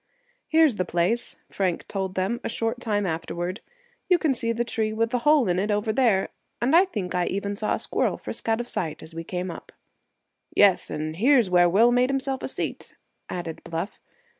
"Here's the place," Frank told them, a short time afterward. "You can see the tree with the hole in it over there, and I think I even saw a squirrel frisk out of sight as we came up." "Yes, and here's where Will made himself a seat," added Bluff.